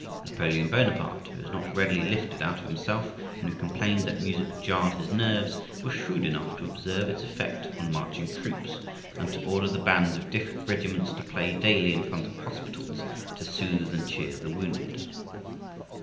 Napoleon Bonaparte, who was not readily lifted out of himself and who complained that music jarred his nerves, was shrewd enough to observe its effect on marching troops, and to order the bands of different regiments to play daily in front of hospitals to soothe and cheer the wounded.